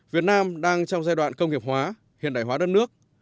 việt nam đang trong giai đoạn công nghiệp hóa hiện đại hóa đất nước